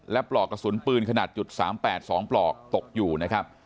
และปลอกกระสุนปืนขนาด๓๘๒ปลอกตกอยู่นะครับ